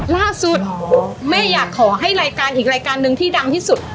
ล่าสุดแม่อยากขอให้รายการอีกรายการหนึ่งที่ดังที่สุด